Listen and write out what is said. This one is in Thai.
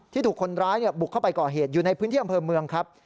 ถูกคนร้ายบุกเข้าไปก่อเหตุอยู่ในพื้นที่อำเภอเมืองครับ